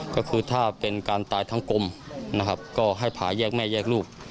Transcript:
ก็คือถ้าเป็นการตายทั้งกลมนะครับก็ให้ผ่าแยกแม่แยกลูก